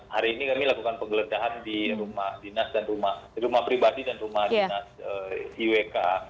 hari ini kami lakukan penggeledahan di rumah pribadi dan rumah dinas iwk